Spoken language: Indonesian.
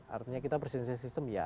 artinya kita presidenisasi sistem ya